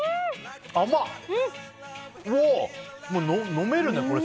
飲めるね、これ。